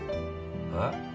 えっ？